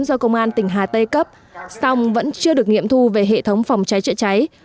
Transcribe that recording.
do công an tỉnh hà tây cấp song vẫn chưa được nghiệm thu về hệ thống phòng cháy chữa cháy